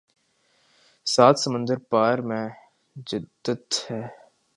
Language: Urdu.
سات سمندر پار میں جدت ہے